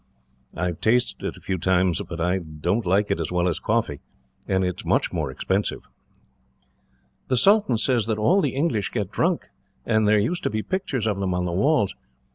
I have tasted it a few times, but I don't like it as well as coffee, and it is much more expensive." "The sultan says that all the English get drunk, and there used to be pictures of them on the walls.